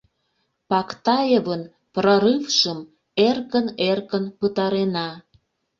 Пактаевын прорывшым эркын-эркын пытарена...